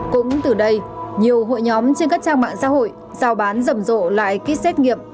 cũng từ đây nhiều hội nhóm trên các trang mạng xã hội giao bán rầm rộ lại kýt xét nghiệm